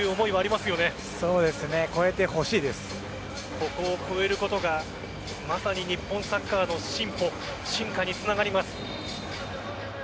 ここを越えることがまさに日本サッカーの進歩進化につながります。